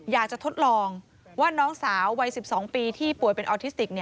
ทดลองว่าน้องสาววัย๑๒ปีที่ป่วยเป็นออทิสติก